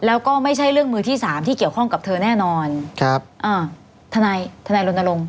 แล้วก็ไม่ใช่เรื่องมือที่สามที่เกี่ยวข้องกับเธอแน่นอนครับอ่าทนายทนายรณรงค์